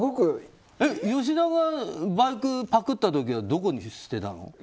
吉田がバイクパクった時はどこに捨てたの？